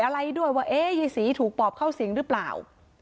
อะไรด้วยว่าเอ๊ยายศรีถูกปอบเข้าสิงหรือเปล่า